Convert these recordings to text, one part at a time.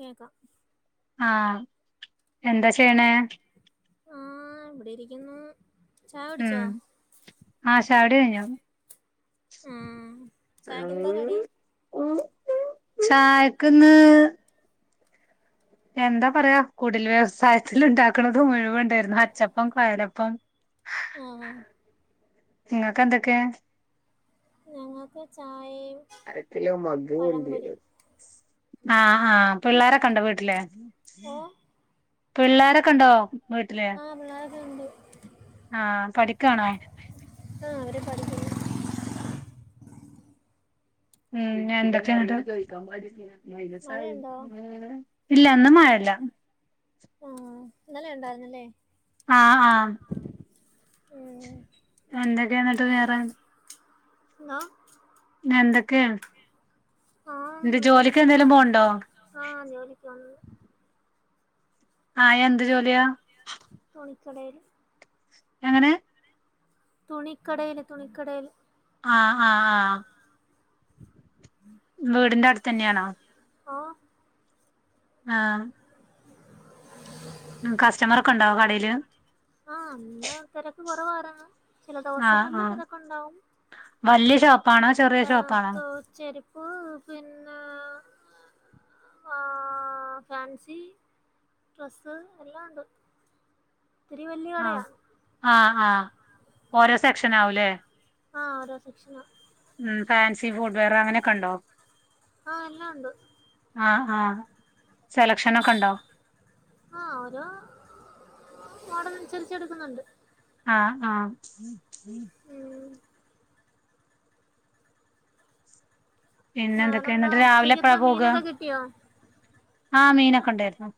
കേക്കാം ആ എന്താ ചെയ്യണ ആ ഇവിടെ ഇരിക്കുന്നു ചായ ഉം കുടിച്ചോ ആശാടഞ്ഞ ആ [unintelligible] ചായക്ക് എന്താ കടി ചായക്കന്ന് എന്താ പറയാ കൂടുതൽ വ്യവസായത്തി ഉണ്ടാക്കണത് മുഴുവ ഉണ്ടായിരുന്നു അച്ചപ്പം കൊയലപ്പം ഒ ഒ ഇങ്ങക്ക് എന്തൊക്കെ ഞങ്ങക് ചാ [unintelligible] ആ ആ പി പിള്ളോരൊ കണ്ട വീട്ടിലേ ഓ പിള്ളോരൊക്കെ ഉണ്ടോ വീട്ടില് ആ പിള്ളേരൊക്കെ ഉണ്ട് ആ പഠിക്കണോ ആ അവരെ പഠിക്കേ ഉം ഞന്തകെ ട്ട് മഴയുണ്ടോ ഇല്ല അന്ന് മഴല്ല ആ ഇന്നല്ല ഉണ്ടായിന്നല്ലേ ആ ആ ഉം എന്തൊക്കെയ എന്നിട്ട് വേറെ ആ ഞ എന്തൊക്കെയ ആ എന്റെ ഇങ്ങനെ ജോലിക്ക് ഇരിക്കുന്നു എന്തേലും പോണ്ടോ ആ ജോലിക്ക് വന്നു ആ എന്ത് ജോലിയാ തുടര് എങ്ങനെ തുണിക്കടയില് തുണിക്കടയില് ആ ആ ആ വീടിന്റെ അടുത്ത് തന്നെയാണോ ഓ ആ ഉം കസ്റ്റമർ ഒക്കെ ഒണ്ടാവോ കടയില് ആ അന്ന് തിരക്ക് കുറവാരെന്ന് ചില ദിവസങ്ങളില് തിരക്കുണ്ടാവും വലിയ ഷോപ്പാണോ ചെറിയ ഷോപ്പാണോ ഉം പിന്നെ ആ ഏ ഫാൻസി ഡ്രസ്സ് എല്ലാം ഒണ്ട് ആ ആ ആ ഓരോ സെക്ഷൻ ആവൂലേ ആ ഓരോ സെക്ഷനാ ഉം ഫാൻസി ഫൂട് വെയർ അങ്ങനെയൊക്കെ ഒണ്ടോ ആ എല്ലാം ഉണ്ട് ആ ആ സെലക്ഷനൊക്കെ ഉണ്ടോ ആ ഓരോ ഓടറനുസരിച്ച് എടുക്കുന്നൊണ്ട് ആഹ് ആഹ് ഉം പിന്നെ എന്തൊക്കെയ നാനെന്താ എന്നിട്ട് രാവിലെ ഉച്ചക്ക് എന്താ മീനൊക്കെ കിട്ടിയോ ആ മീനൊക്കെ ഉണ്ടായിരുന്നു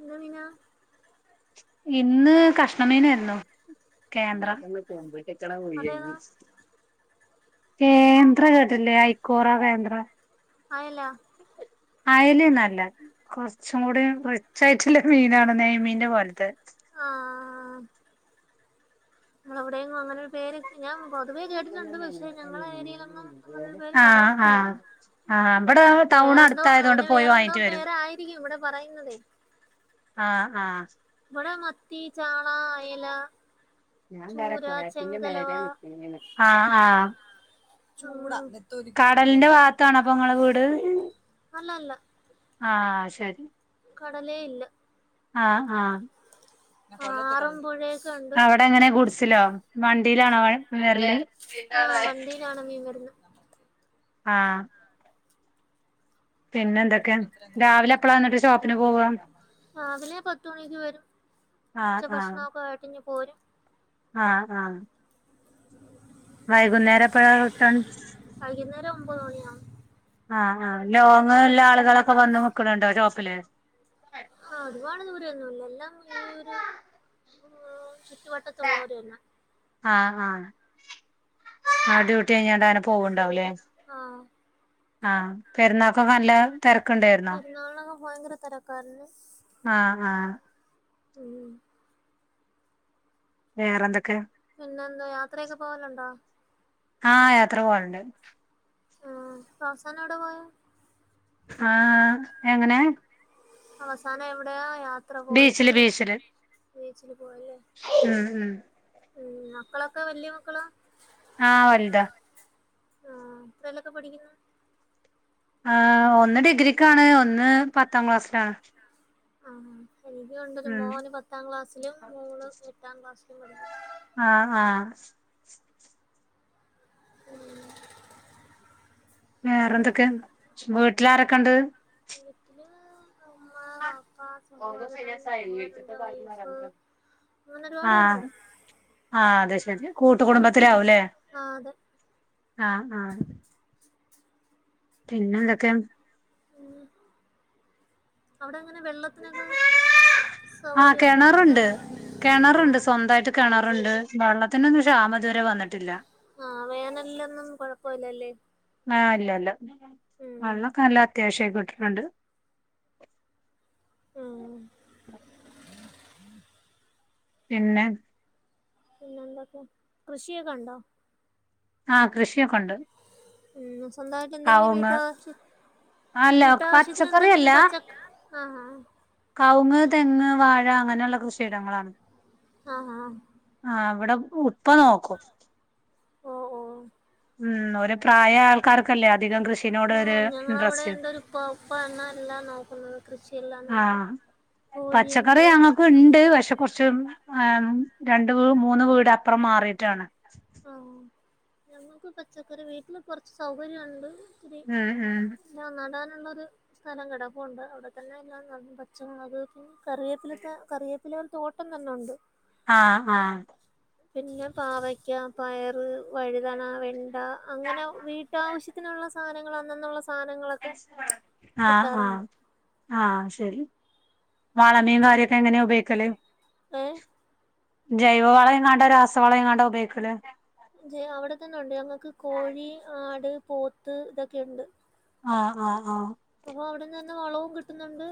എന്ത് മീന ഇന്ന് കഷ്ണമീനായിരുന്നു കേന്ദ്ര പൊരിച്ചണ അതേതാ കോഴിയായിരുന്ന് കേന്ദ്ര കെട്ടില്ലേ ഐക്കോറ കേന്ദ്ര അയല അയല് നല്ല കൊറച്ചും കൂടി റിച്ച് ആയിട്ടുള്ള മീനാണ് നെയ്മീന്റെ പോലത്തെ ആ അവിടെയെങ്ങും അങ്ങനൊരു പേരെക്കെ ഞാൻ പൊതുവേ കേട്ടിട്ടുണ്ട് പക്ഷെ ഞങ്ങള ഏരിയയിലൊന്നും അങ്ങനൊരു പേര് ആഹ് പറയത്തില്ല ആഹ് ആഹ് ഇബടെ ന് ടൗൺ വേറെന്തോ അടുത്തായതോണ്ട് അതിന് പോയി വേറെന്തോ വാങ്ങിട്ട് വരും പേരായിരിക്കും ഇവിടെ പറയുന്നതേ ആഹ്- ആഹ് അവിടെ മത്തി ചാള അയല ഞാൻ വേറെ ചൂര പ്രവാസിന്റെ ചെങ്കലവ മേലെ [unintelligible] ആഹ്- ആഹ് ചൂടാ കടലിന്റെ ഭാഗത്താണോ അപ്പൊ നിങ്ങളെ വീട് അല്ല അല്ല ആഹ് ശരി കടലേ ഇല്ല ആഹ് - ആഹ് മാറുമ്പൊഴേ അവിടെ എങ്ങനെ കുടിച്ചിലോ വണ്ടിയിലാണോ വെരല് ആ വണ്ടിയിലാണ് മീൻ വരുന്നത് ആഹ് പിന്നെ എന്തൊക്കെ രാവിലെ എപ്പളാ വന്നിട്ട് ഷോപ്പിന് പോവ രാവിലെ പത്തുമണിക്ക് വരും ആഹ് ഉച്ച ആഹ് ഭക്ഷണൊക്കെ ആയിട്ട് ഇങ്ങ് പോരും ആഹ്- ആഹ് വൈകുന്നേരം എപ്പഴ റിട്ടൺ വൈകുന്നേരം ഒമ്പത് മണിയാവും ആഹ്- ആ ലോങ് ഒല്ല ആളുകളൊക്കെ വന്ന് മുക്കണണ്ടോ ഷോപ്പില് ആ ഒരുപാട് ദൂരൊന്നുംല്ല എല്ലാം ഈ ഒരു ചുറ്റുവട്ടത്തുള്ളവര് തന്ന ആഹ് ആഹ് ആ ഡ്യൂട്ടി കഴിഞ്ഞാണ്ട് ആന് പോവുണ്ടാവുലേ ആ ആ പെരുന്നാക്കൊക്കെ നല്ല തെരക്കുണ്ടായിരുന്നോ പെരുന്നാളിനൊക്കെ ഭയങ്കര തിരക്കാര്ന്ന് ആഹ് -ആഹ് ഉം വേറെ എന്തൊക്കെ പിന്നെ എന്തോ യാത്രയൊക്കെ പോവലുണ്ടോ ആ യാത്ര പോവലുണ്ട് ആ അവസാനം എവിടെ പോയെ ആ എങ്ങനെ അവസാനം എവിടെയാ യാത്ര പോയത് ബീച്ചില് ബീച്ചില് ബീച്ചിൽ പോയല്ലേ ഉം ഉം ഉം മക്കളൊക്കെ വലിയ മക്കളാ ആഹ് വലുതാ ആ എത്രെലൊക്കെ പഠിക്ക്ന്ന്‌ ആ ഒന്ന് ഡിഗ്രിക്കാണ് ഒന്ന് പത്താം ക്ലാസ്സിലാണ് ആ എനിക്കുണ്ടൊരു ഉം മോന് പത്താം ക്ലാസ്സിലും മോള് എട്ടാം ക്ലാസ്സിലും പഠിക്കുന്നു. ആ ആ ഉം വേറെന്തൊക്കെ വീട്ടിലാരൊക്കെ ഇണ്ട് വീട്ടില് ഉമ്മ, വാപ്പ, സഹോദരൻ, [unintelligible] വീട്ടിത്ത സഹോദരന്റെ കാര്യം വൈഫ് അങ്ങനെ ആ ഒരുപാട് പേരുണ്ട്. ആ അതെ ശരി കൂട്ട് കുടുംബത്തിലെ ആവൂലേ ആഹ് അതെ ആ ആ പിന്നെന്തൊക്കെ ഉം അവിടെ എങ്ങനെ വെള്ളത്തിനൊക്ക ആ കെണറുണ്ട് കെണറുണ്ട് ആഹ് സ്വന്തായിട്ട് കെണറുണ്ട് വെള്ളത്തിനൊന്നും ക്ഷാമ ഇതുവരെ വന്നിട്ടില്ല ആ വേനല്ലൊന്നും കുഴപ്പോല്ലല്ലേ ആ ഇല്ലല്ല വെള്ളോക്കല്ല അത്യാവശ്യായി കിട്ട ട്ടണ് ണ്ട്‌ ഉം പിന്നെ പിന്നെ എന്തൊക്കെ കൃഷിയൊക്കെ ഉണ്ടോ ആ കൃഷിയൊക്കൊണ്ട് ഉം സ്വന്തായിട്ട് എന്തെങ്കിലും വീട്ടാവശ്യ അല്ല വീട്ടാവശ്യത്തിന് എന്തെങ്കിലും പച്ച ആ ആ കൗങ്ങ് തെങ്ങ് വാഴ അങ്ങനെയുള്ള കൃഷിയിടങ്ങളാണ് ആ ആ ഇവിട ഉപ്പ നോക്കും ഓ ഓ ഉം ഓരപ്രായയ ആൾക്കാർക്കല്ലേ അധികം കൃഷ ആ ഞങ്ങളവിടെ ഇണ്ടൊരുപ്പ ഉപ്പാണ എല്ലാം നോക്കുന്നത് കൃഷിയെല്ലാം ആ നോക്കും പച്ചക്കറി കോഴിയുണ്ട് ഞങ്ങക്കിണ്ട് പക്ഷെ കുറച്ച് ആ രണ്ട് മൂന്ന് വീടപ്പുറം മാറീട്ടാണ് ആ ഞമ്മക്ക് പച്ചക്കറി വീട്ടില് കൊറച്ച് സൗകര്യുണ്ട് ഉം ഉം പിന്ന നടാൻ [unintelligible] സ്ഥലം കിടപ്പോണ്ട് അവിടെത്തന്നെ എല്ലാം നടും പച്ചമുളക് കറിയേപ്പിലത്ത കറിയേ പില തോട്ടം തന്നെ ഉണ്ട് ആ ആ പിന്നെ പാവക്ക പയറ് വഴുതണ വെണ്ട അങ്ങനെ വീട്ടാവശ്യത്തി നുള്ള സാധനങ്ങൾ അന്നന്നുള്ള സാധനങ്ങളൊക്കെ ആ ആ കിട്ടാറുണ്ട് ആ ശരി വള മേ കാര്യൊക്ക എങ്ങനെയാ ഉപയോഗിക്കല് ഏ ജൈവ വളം ഇങ്ങാണ്ടോ രാസവളംങ്ങാണ്ടോ ഉപയോഗിക്കൂലേ ജെ അവിടെക്കെന്ന ഉണ്ട് ഞമ്മക്ക് കോഴി ആട് പോത്ത് ഇതൊക്കെയണ്ട് ആ ആ ആ അപ്പൊ അവിടന്ന് തന്നെ വളവും കിട്ടുന്നുണ്ട്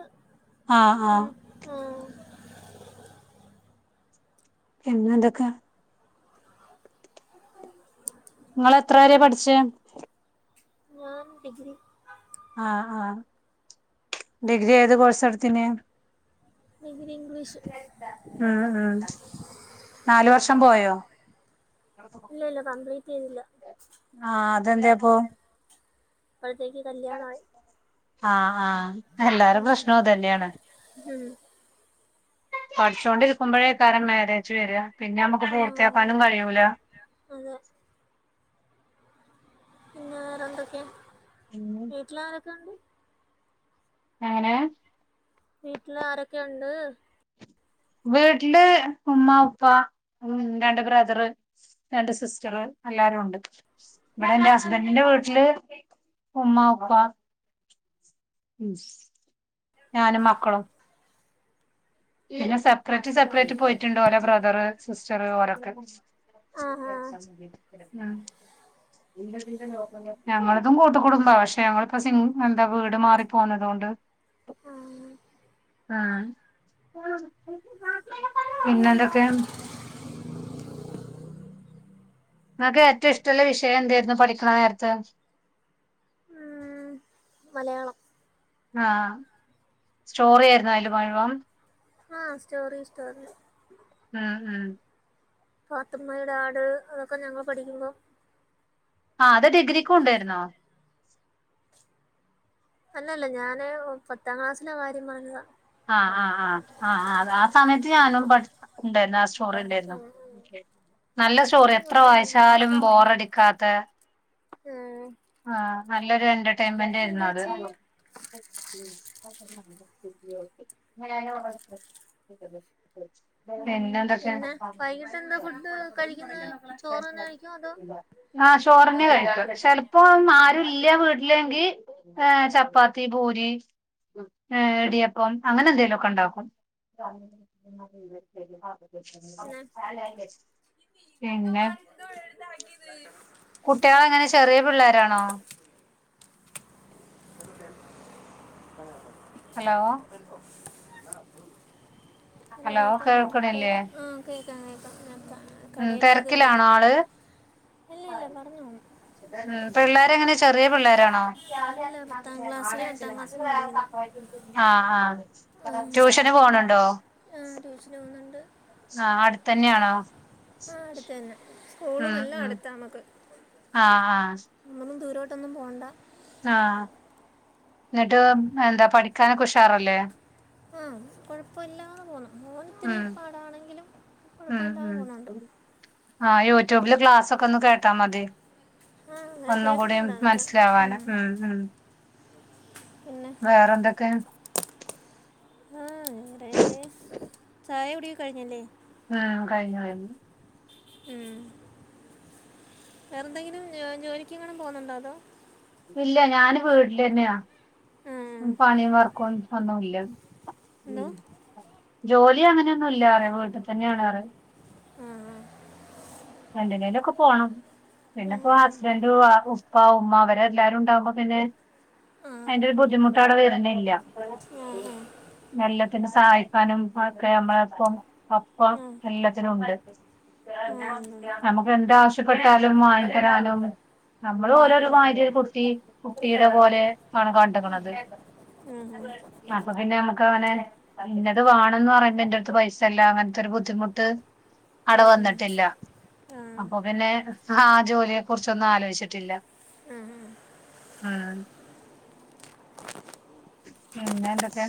ആ ആ ഉം ആഹ് പിന്നെ എന്തൊക്കെ മോൾ എത്ര വരെ കോഴി പഠിച്ചേ ഞാൻ ഡിഗ്രി ആ ആ ഡിഗ്രി ഏത് കോഴ്സ് എടുത്തന അത ഉം ഉ നാല വർഷം പോയോ ഇല്ല ഇല്ല കംപ്ലീറ്റ് യ്തില്ല. ആഹ് അതെന്തെ ഇപ്പൊ അപ്പോഴത്തേക്ക് കല്ല്യാണായി. ആഹ് ആഹ് എല്ലാര പ്രശ്നൊ അതെ ന്നെയാണ്. ഉം. പഠിച്ചോണ്ടിരിക്കുമ്പയേക്കാരം മ്യാരേജ് വെര്. പിന്നെ നമ്മക്ക് ആ, പൂർത്തിയാക്കാനും കഴിയൂല. അതെ പിന്നെ വേറെ എന്തൊക്കെയ, ഉം. വീട്ടില് ആരൊക്കെ ഇണ്ട്? എങ്ങനെ വീട്ടില് ആരൊക്കെ ഉണ്ട്? വീട്ടില് ഉമ്മ ഉപ്പ ഉം രണ്ട് ബ്രദറ് രണ്ട് സിസ്റ്ററ് എല്ലാരും ഉണ്ട് ഇവിടെ എന്റെ ഹസ്ബന്റിന്റെ വീട്ടില് ഉമ്മ ഉപ്പ ഉം ഞാനും മക്കളും. പിന്നെ സെപ്പറേറ്റ് സെപ്പറേറ്റ് പോയിട്ടുണ്ട് ഓലെ ബ്രദറ് സിസ്റ്ററ് ഓരൊക്കെ. [inaudible] ആ ആ, ഉം ഞങ്ങളതും കൂട്ട് കുടുംബാ പക്ഷെ ഞങ്ങളിപ്പോ സിൻ എന്താ വീട് മാറി പോന്നത് കൊ ണ്ട് ആ. ആഹ് പിന്നെന്തൊക്കെയ? നിങ്ങക്ക് ഏറ്റവും ഇഷ്ട്ടൊള്ള വിഷയം എന്തായിരുന്നു പഠിക്കണ നേരത്ത്. ഉം, മലയാളം ആഹ് സ്റ്റോറി ആയിരുന്നാ അതില് മുഴുവം ആഹ് സ്റ്റോറി സ്റ്റോറി ഉം ഉം പാത്തുമ്മയുടെ ആട് അതൊക്കെ ഞങ്ങള് പഠിക്കുമ്പോ ആഹ് അത് ഡിഗ്രിക്കു ഉണ്ടായിരുന്നോ? അല്ലല്ല ഞാന് പത്താം ക്ലാസ്സിലെ കാര്യം പറഞ്ഞതാ ആഹ് ആഹ് ആഹ് ആഹ് ആഹ് ആ സമയത്ത് ഞാനും പഠി ഇണ്ടായിരുന്നു [unintelligible] സ്റ്റോറിണ്ടായിരുന്നു നല്ല സ്റ്റോറിയാ എത്ര വായിച്ചാലും ബോറടിക്കാത്ത ആഹ് നല്ലൊരു എന്റർടെയ്മെന്റായിരുന്നു എന്താ അത്. [inaudible] ചെയ്യുക [unintelligible] പിന്നെന്തൊക്കെയാ? പിന്നെ വൈകിട്ട് എന്താ ഫുഡ് കഴിക്കുന്നത് ചോറ് തന്നെ കഴിക്കോ അതോ ആഹ് ചോറന്നേ കഴിക്കാ ചെലപ്പോ ആരു ഇല്ല വീട്ടിലെങ്കീ ഏഹ് ചപ്പാത്തി, പൂരി, ഏഹ് ഇടിയ പ്പം അങ്ങനെ എന്തെങ്കിലൊക്കെ ഇണ്ടാക്കും പിന്നെ പിന്നെ കുട്ടികളെങ്ങനെ ചെറിയ പിള്ളേരാണോ? ഹലോ ഹലോ കേൾക്കണില്ലേ ആഹ് കേക്കാ കേക്കാം ഞാൻ ഉം കടയിലായതോണ്ടേ തിരക്കിലാണോ ആള് അല്ല അല്ല പറഞ്ഞോ പിള്ളേരെങ്ങനെ ചെറിയ പിള്ളേ രാണോ ഇല്ല പത്താം ക്ലാസ്സിലും എട്ടാം ക്ലാസ്സിലും പഠിക്കുന്നു ആഹ് ആഹ് ട്യൂഷന് പിന്നെ പോണുണ്ടോ? ട്യൂഷന് പോകുന്നുണ്ട് ആഹ് അടുത്തന്നാണോ ആഹ് അടുത്ത് തന്നെ സ്കൂളും എല്ലാം അടുത്താമ്മക്ക് ആഹ് ആഹ് പെട്ടൊന്നും പോണ്ട ആഹ് ന്നിട്ട് എന്താ പഠിക്കാനൊക്കെ ഉഷാറല്ലേ ആഹ് കൊഴപ്പല്ലാന്ന് പോന്നു മോൻ ഒത്തിരി ഉം പാടാണെങ്കിലും ഉം കൊഴപ്പല്ലാതെ പോണുണ്ട് യട്യൂബില് ക്ലാസ്സൊക്കെ ഒന്ന് കേട്ടാ മതി ആ അങ്ങനെ ഒന്നും കൂടി കേൾക്കുന്നുണ്ട് മനസ്സിലാവാന് അതൊക്കെ ഉം ഉം പിന്നെ വേറെന്തൊക്കെ ആഹ് വേറേ ചായ കുടി ഒക്കെ കഴിഞ്ഞല്ലേ ആഹ് കഴിഞ്ഞു കഴിഞ്ഞു ഉം വേറെന്തെങ്കിലും ജോലിക്ക് എങ്ങാനും പോവുന്നുണ്ടോ അതോ ഇല്ല ഞാന് വീടിലെന്നെയാ ആ. ഉം പണി വർക്കും ഒന്നുല്ല എന്തോ ഉം ജോലി അങ്ങനെയൊന്നുല്ല ല്ലാറെ വീട്ടിൽ തന്നെയാണേറെ ആ എന്തിനേലൊക്കെ പോണം ആ. പിന്നെപ്പം ഹസ്ബന്റ്, ഉപ്പ ഉമ്മ ഇവരെല്ലാരും ഉണ്ടാവുമ്പം പിന്നെ ആ അയ്ന്റൊരു പറ്റൂല ബുദ്ധിമുട്ട് അവിടെ വര്ണില്ല ആ ആ എല്ലത്തിനും സഹായി ക്കാനും അതൊക്കെ നമ്മളെപ്പം ഒപ്പം ആ എല്ലത്തിനും ഉണ്ട് ആ ഉണ്ട്, ഉണ്ട്. നമുക്ക് എന്താവശ്യപ്പെട്ടാലും വാങ്ങിത്തരാനും നമ്മള് ആ ഓലൊരു ആ. മാരി കുട്ടി കുട്ടീടെ പോലെ ആണ് കണ്ട്ക്ക്ണത് ഉം, ഉം. അപ്പൊ പിന്നെ നമ്മക്കങ്ങനെ ഇന്നത് വേണന്ന് പറയുമ്പം ഇന്റടുത്ത് പൈസല്ല അങ്ങനത്തൊരു ബുദ്ധിമുട്ട് അടെ ഉം, ഉം. വന്നിട്ടില്ല ആ അപ്പം പിന്നെ ആഹ് ജോലിയെ കുറിച്ചൊന്നും ആലോചിച്ചിട്ടില്ല ആ ആ. ഉം പിന്നെ എന്തൊക്കെ?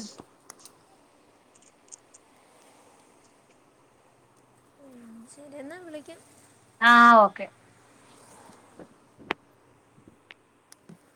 ശരി എന്ന വിളിക്കാം ആഹ് ഓക്കെ